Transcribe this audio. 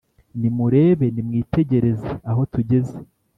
nimurebe, mwitegereze, aho tugeze